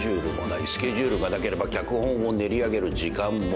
スケジュールがなければ脚本を練り上げる時間もない。